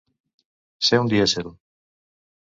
Ser un dièsel.